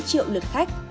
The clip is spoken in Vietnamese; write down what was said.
chín năm triệu lượt khách